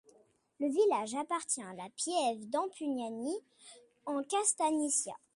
Le village appartient à la piève d'Ampugnani, en Castagniccia.